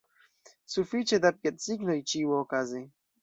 Sufiĉe da piedsignoj ĉiuokaze!